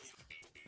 iya pak makasih ya